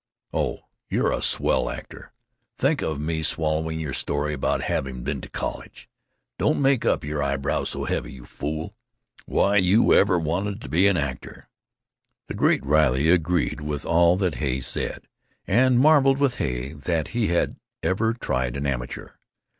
Oh, you're a swell actor! Think of me swallering your story about having been t' college!... Don't make up your eyebrows so heavy, you fool.... Why you ever wanted to be an actor——!" The Great Riley agreed with all that Heye said, and marveled with Heye that he had ever tried an amateur.